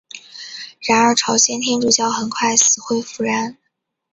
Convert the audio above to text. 然而朝鲜天主教很快死灰复燃。